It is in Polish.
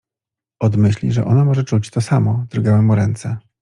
Od myśli, że ona może czuć to samo, drgały mu ręce.